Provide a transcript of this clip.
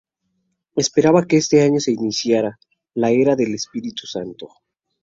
Esperaba que ese año se iniciaría la era del Espíritu Santo.